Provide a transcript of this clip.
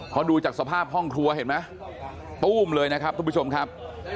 พอดูจากสภาพห้องครัวเห็นไหมตู้มเลยนะครับทุกผู้ชมครับ